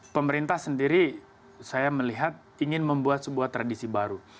pemerintah sendiri saya melihat ingin membuat sebuah tradisi baru